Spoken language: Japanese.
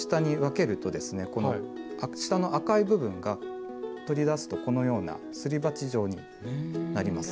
この下の赤い部分が取り出すとこのようなすり鉢状になります。